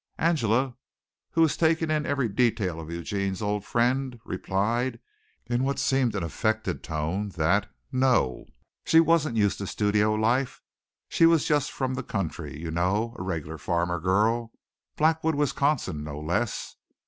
Angela, who was taking in every detail of Eugene's old friend, replied in what seemed an affected tone that no, she wasn't used to studio life: she was just from the country, you know a regular farmer girl Blackwood, Wisconsin, no less!